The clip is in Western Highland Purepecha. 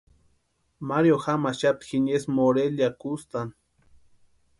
Mario jamaxapti jiniesï Morelia kustani.